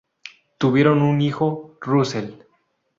Tuvieron un hijo, Russell.